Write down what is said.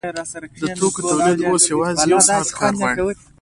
د توکو تولید اوس یوازې یو ساعت کار غواړي